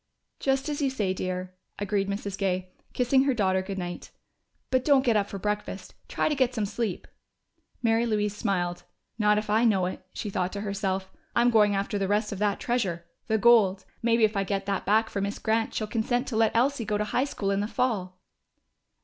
"Just as you say, dear," agreed Mrs. Gay, kissing her daughter good night. "But don't get up for breakfast. Try to get some sleep!" Mary Louise smiled. ("Not if I know it," she thought to herself. "I'm going after the rest of that treasure! The gold! Maybe if I get that back for Miss Grant, she'll consent to let Elsie go to high school in the fall.")